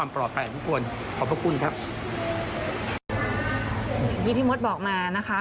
พี่พี่มดบอกมา